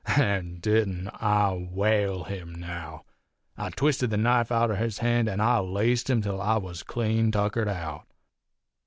An' didn't I whale him, now? I twisted his knife outer his hand, an' I laced him till I was clean tuckered out.